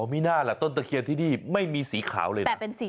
ไม่น่าล่ะต้นตะเคียนที่นี่ไม่มีสีขาวเลยนะ